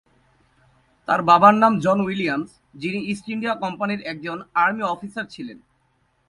তার বাবার নাম জন উইলিয়ামস, যিনি ইস্ট ইন্ডিয়া কোম্পানির একজন আর্মি অফিসার ছিলেন।